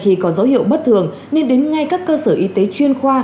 khi có dấu hiệu bất thường nên đến ngay các cơ sở y tế chuyên khoa